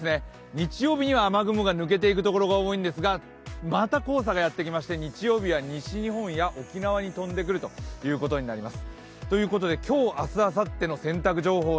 日曜日には雨雲が抜けていくところが多いんですがまた黄砂がやってきまして、日曜日は西日本や沖縄に飛んでくるということになります。